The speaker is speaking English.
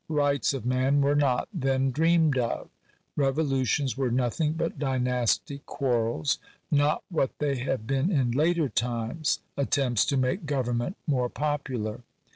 Rights of man were not then dreamed of. Revolutions were nothing but dynastic quarrels ; not what they have been in later times — attempts to make government more popular.